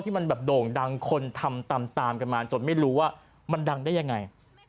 มันแบบโด่งดังคนทำตามกันมาจนไม่รู้ว่ามันดังได้ยังไง